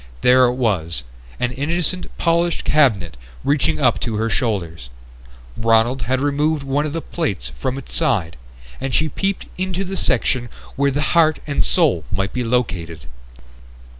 There it was: an innocent polished cabinet reaching up to her shoulders. Ronald had removed one of the plates from its side and she peeped into the section where the heart and soul might be located.